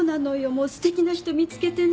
もうすてきな人見つけてね。